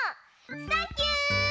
サンキュー！